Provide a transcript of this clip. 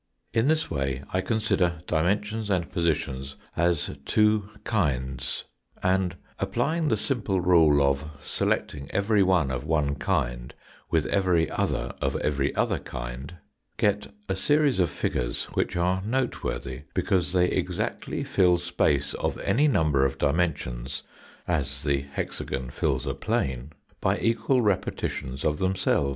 In this way I consider dimensions and positions as two " kinds," and applying the simple rule of selecting every one of one kind with every other of every other kind, get a series of figures which are noteworthy because they exactly fill space of any number of dimensions (as the hexagon fills a plane) by equal repetitions of themselves.